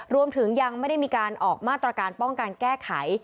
ยังไม่ได้มีการออกมาตรการป้องกันแก้ไข